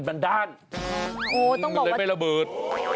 โอ้โฮต้องบอกว่าเลยไม่ระเบิด